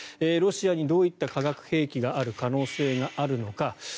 ロシアにどういった化学兵器がある可能性があるのか。